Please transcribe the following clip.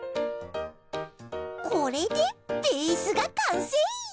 これでベースがかんせい！